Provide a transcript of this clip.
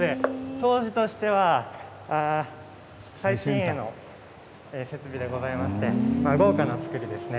当時としては最新鋭の設備でございまして豪華な造りですね。